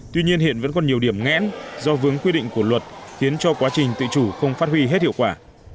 tuy nhiên hiện vẫn còn nhiều điểm ngẽn do vướng quy định của luật khiến cho quá trình tự chủ không phát huy hết hiệu quả